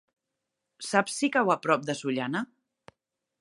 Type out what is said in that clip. Saps si cau a prop de Sollana?